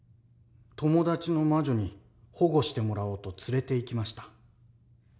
友達の魔女に保護してもらおうと連れていきました。